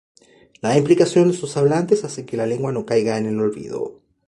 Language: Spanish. La implicación de sus hablantes hace que la lengua no caiga en el olvido.